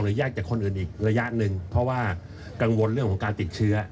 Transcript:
ยากจากคนอื่นอีกระยะหนึ่งเพราะว่ากังวลเรื่องของการติดเชื้อ